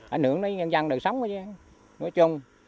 ảnh hưởng đến nhân dân đời sống đó chứ nói chung